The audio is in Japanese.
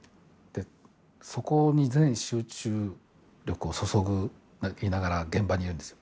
そこに全集中力を注ぎながら現場にいるんです。